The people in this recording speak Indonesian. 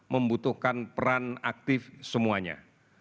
membutuhkan peran aktif semuanya